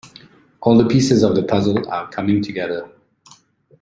All the pieces of the puzzle are coming together.